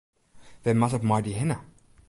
Wêr moat it mei dy hinne?